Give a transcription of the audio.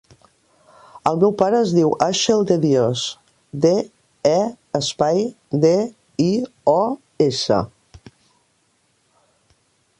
El meu pare es diu Àxel De Dios: de, e, espai, de, i, o, essa.